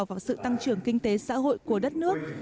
vào sự tăng trưởng kinh tế xã hội của đất nước